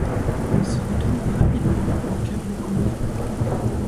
Ils se retrouvent rapidement au cœur des combats.